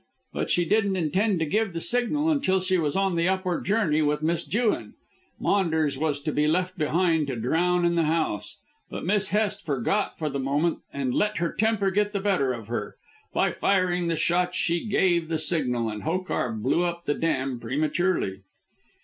But she didn't intend to give the signal until she was on the upward journey with Miss Jewin; Maunders was to be left behind to drown in the house. But Miss Hest forgot for the moment and let her temper get the better of her. By firing the shots she gave the signal, and Hokar blew up the dam prematurely."